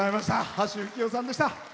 橋幸夫さんでした。